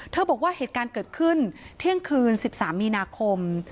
บอกว่าเหตุการณ์เกิดขึ้นเที่ยงคืน๑๓มีนาคม